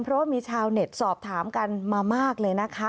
เพราะว่ามีชาวเน็ตสอบถามกันมามากเลยนะคะ